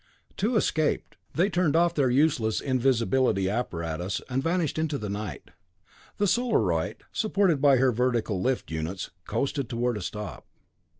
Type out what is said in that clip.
Two escaped. They turned off their useless invisibility apparatus and vanished into the night. The Solarite, supported by her vertical lift units, coasted toward a stop.